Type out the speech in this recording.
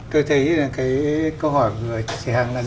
tôi thấy là cái câu hỏi của người chị hằng